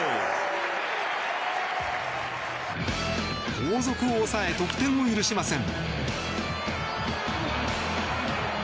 後続を抑え得点を許しません。